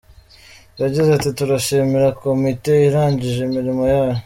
Yagize ati “Turashimira komite irangije imirimo yayo.